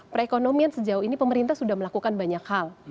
perekonomian sejauh ini pemerintah sudah melakukan banyak hal